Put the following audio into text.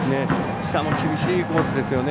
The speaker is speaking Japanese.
しかも厳しいコースですよね。